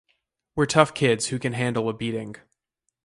We're tough kids who can handle a beating.